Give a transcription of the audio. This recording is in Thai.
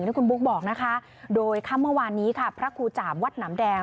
ที่คุณบุ๊กบอกนะคะโดยค่ำเมื่อวานนี้ค่ะพระครูจาบวัดหนำแดง